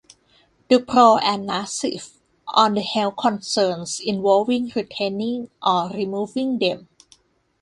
Dubrow and Nassif on the health concerns involving retaining or removing them.